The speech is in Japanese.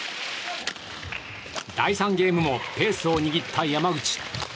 第３ゲームもペースを握った山口。